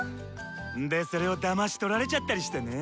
んでそれをだましとられちゃったりしてネ。